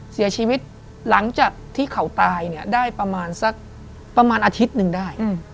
เสียชีวิตหลังจากที่เขาตายเนี่ยได้ประมาณสักประมาณอาทิตย์หนึ่งได้